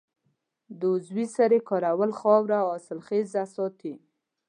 د عضوي سرې کارول خاوره حاصلخیزه ساتي.